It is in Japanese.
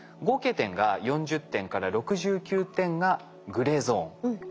合計点が４０点から６９点がグレーゾーン。